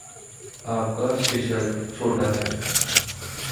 आपका शिश्न छोटा है।